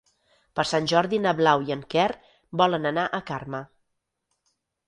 Per Sant Jordi na Blau i en Quer volen anar a Carme.